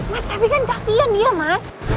mas tapi kan kasihan dia mas